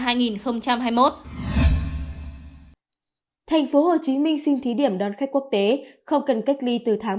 thành phố hồ chí minh xin thí điểm đón khách quốc tế không cần cách ly từ tháng một mươi hai